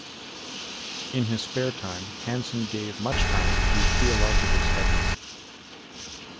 In his spare time Hanson gave much time to theological studies.